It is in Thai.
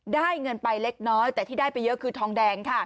ได้เงินไปเล็กน้อยแต่ที่ได้ไปเยอะคือทองแดงค่ะ